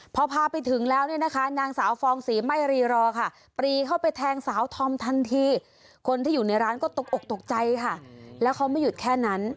พอพาไปถึงแล้วเนี่ยนะคะนางสาวฟองศรีไม่รีรอค่ะปรีเข้าไปแทงสาวธอมทันทีคนที่อยู่ในร้านก็ตกอกตกใจค่ะแล้วเขาไม่หยุดแค่นั้น